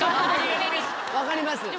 わかります。